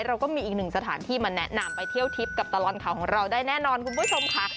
เราก็มีอีกหนึ่งสถานที่มาแนะนำไปเที่ยวทิพย์กับตลอดข่าวของเราได้แน่นอนคุณผู้ชมค่ะ